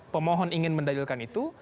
pemohon ingin mendalilkan itu